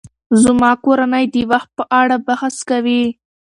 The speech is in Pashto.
زما کورنۍ د وخت په اړه بحث کوي.